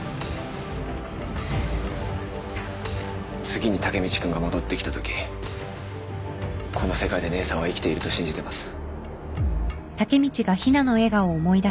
次にタケミチ君が戻ってきたときこの世界で姉さんは生きていると信じてます。